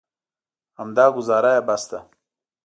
همدا ګوزاره یې بس ده.